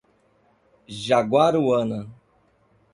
Jaguaruana